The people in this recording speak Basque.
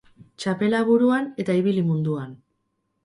Txapela buruan eta ibili munduan